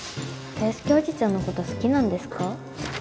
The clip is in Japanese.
圭介おじちゃんのこと好きなんですか？